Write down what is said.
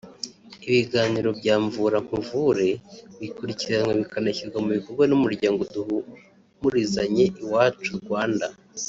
Ibiganiro bya Mvura nkuvure bikurikiranwa bikanashyirwa mu bikorwa n’Umuryango Duhumurizanye Iwacu-Rwanda